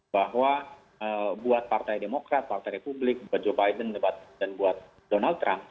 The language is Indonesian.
bahwa buat partai demokrat partai republik buat joe biden dan buat donald trump